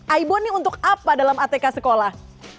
aibon ini untuk apa dalam atk sekolah